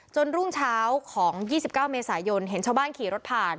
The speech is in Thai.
รุ่งเช้าของ๒๙เมษายนเห็นชาวบ้านขี่รถผ่าน